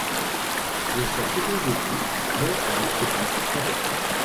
De sa seconde épouse, naît un autre fils, Fabian.